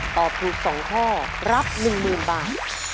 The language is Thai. ตอบถูก๒ข้อรับ๑๐๐๐บาท